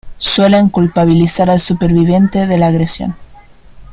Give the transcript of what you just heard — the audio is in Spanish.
Suelen culpabilizar al superviviente de la agresión